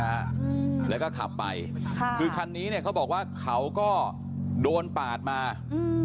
อืมแล้วก็ขับไปค่ะคือคันนี้เนี้ยเขาบอกว่าเขาก็โดนปาดมาอืม